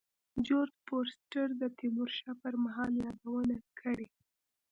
جورج فورستر د تیمور شاه پر مهال یادونه کړې.